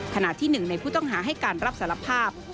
ขณะที่หนึ่งในผู้ต้องหาให้การรับสารภาพ